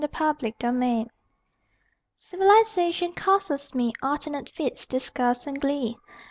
THE SAVAGE Civilization causes me Alternate fits: disgust and glee.